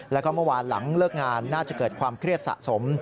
แล้วก็เมื่อวานหลังเลิกงานน่าจะเกิดความเครียดสะสม